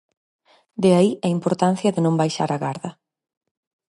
De aí a importancia de non baixar a garda.